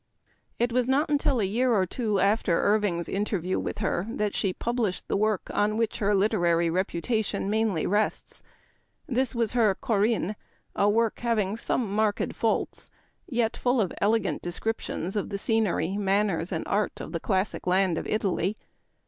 It was not till a year or two after Irv ing's interview with her that she published the work on which her literary reputation mainly rests. This was her " Corinne," a work having Memoir of Washington Irving. 39 some marked faults, yet full of elegant descrip tions of the scenery, manners, and art of the classic land of Italy.